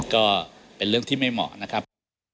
ก็เป็นเรื่องที่ไม่เหมาะนะครับ